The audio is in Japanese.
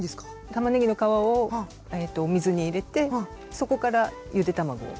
たまねぎの皮を水に入れてそこからゆで卵を。